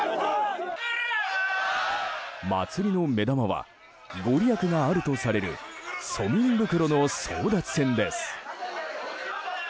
祭りの目玉はご利益があるとされる蘇民袋の争奪戦です。